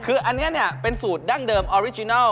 คืออันนี้เป็นสูตรดั้งเดิมออริจินัล